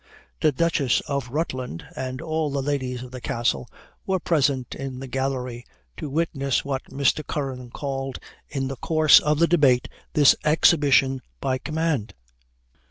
The Duchess of Rutland, and all the ladies of the castle were present in the gallery, to witness what Mr. Curran called, in the course of the debate, "this exhibition by command."